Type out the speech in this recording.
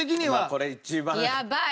これは一番やばい。